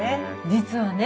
実はね